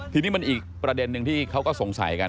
ทีนี้มันอีกประเด็นนึงที่เขาก็สงสัยกัน